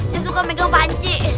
yang suka megang panci